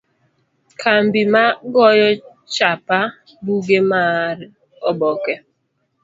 Kambi ma goyo chapa buge mar oboke.